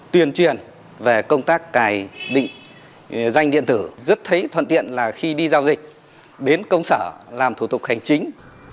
tuyên truyền về công tác cài định danh điện tử rất thấy thuận tiện là khi đi giao dịch đến công sở làm thủ tục hành chính